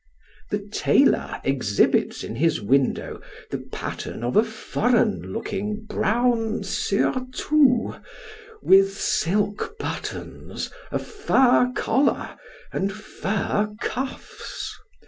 The tailor exhibits in his window the pattern of a foreign looking brown surtout, with silk buttons, a fur collar, and fur cuffs.